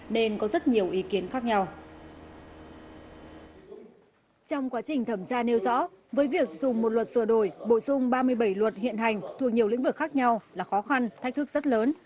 bổ sung ba mươi bảy luật hiện hành thuộc nhiều lĩnh vực khác nhau là khó khăn thách thức rất lớn